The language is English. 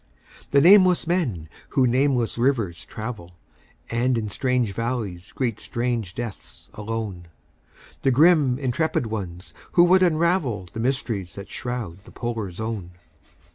The nameless men who nameless rivers travel, And in strange valleys greet strange deaths alone; The grim, intrepid ones who would unravel The mysteries that shroud the Polar Zone.